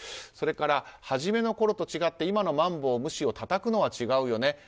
それから初めのころと違って今のまん防無視をたたくのは違うよね。